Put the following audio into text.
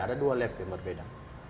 ada dua lab yang berbeda